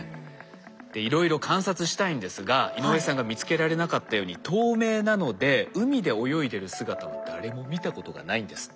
でいろいろ観察したいんですが井上さんが見つけられなかったように透明なので海で泳いでる姿は誰も見たことがないんですって。